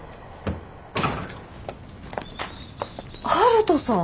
悠人さん！